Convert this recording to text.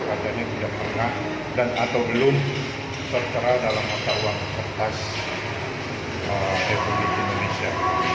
kadang kadang tidak pernah dan atau belum tertera dalam mata uang terkala republik indonesia